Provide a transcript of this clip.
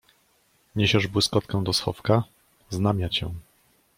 — Niesiesz błyskotkę do schowka, znam ja cię!